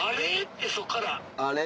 「あれ？」